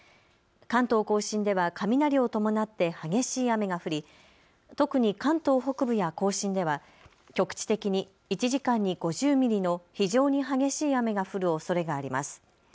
関東甲信では雷を伴って激しい雨が降り、特に関東北部や甲信では局地的に１時間に５０ミリの非常に激しい雨が降るおそれがあります。